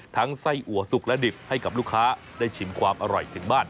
ไส้อัวสุกและดิบให้กับลูกค้าได้ชิมความอร่อยถึงบ้าน